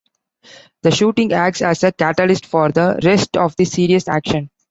The shooting acts as a catalyst for the rest of the series' action.